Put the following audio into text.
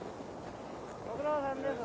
ご苦労さんです。